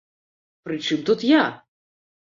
Пры чым тут я?